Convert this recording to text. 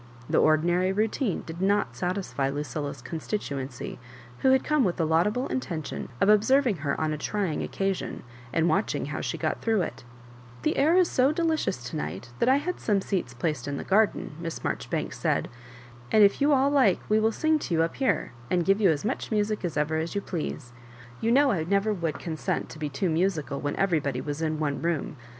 The ordinary routine did not satisfy Lucilla's consti tuency, who had come with the laudable inten tion of observing her on a trying occasion, and watching how she got through it " The air is so delicious to night that I had some seats placed in the garden," Miss Marjoribanks said, '' and if you all Uke we will sing to you up here, and give you as much music as ever you please. You know I never would consent to be too musical when everybody was in one room.